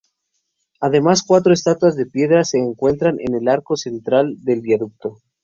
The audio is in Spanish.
Además cuatro estatuas de piedra se encuentran en el arco central del viaducto.